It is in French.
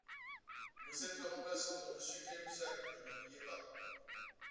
Vous êtes le remplaçant de Monsieur Cahuzac, ne l’oubliez pas